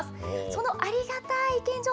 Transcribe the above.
そのありがたい献上